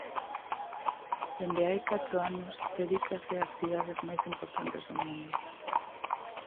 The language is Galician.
Dende hai catro anos dedícase ás cidades máis importantes do mundo.